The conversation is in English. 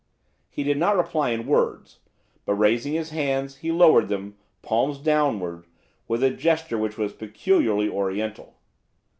He did not reply in words, but, raising his hands he lowered them, palms downward, with a gesture which was peculiarly oriental.